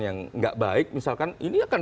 yang nggak baik misalkan ini akan